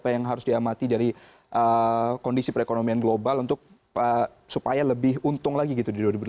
apa yang harus diamati dari kondisi perekonomian global untuk supaya lebih untung lagi gitu di dua ribu delapan belas